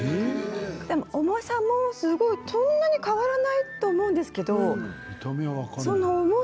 でも重さもすごいそんなに変わらないと思うんですけれども。